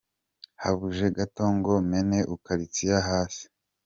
Habuze gato ngo mene Ukaristiya hasi.